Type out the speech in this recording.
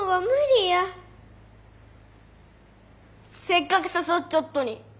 せっかく誘っちょっとに。